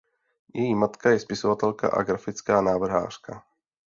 Její matka je spisovatelka a grafická návrhářka.